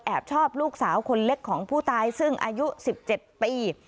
แอบชอบลูกสาวคนเล็กของผู้ตายซึ่งอายุสิบเจ็ดปี